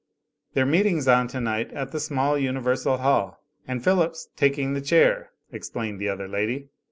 "Their meeting's on tonight at the small Universal Hall, and J^hilip's taking the chair," explained the other lady.